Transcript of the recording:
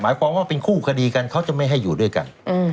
หมายความว่าเป็นคู่คดีกันเขาจะไม่ให้อยู่ด้วยกัน